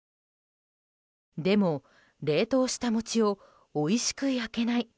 でも、冷凍した餅をおいしく焼けない。